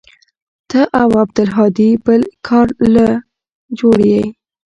ته او عبدالهادي بل کار له جوړ يې.